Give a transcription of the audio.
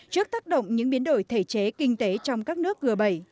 trước tác động những biến đổi thể chế kinh tế trong các nước g bảy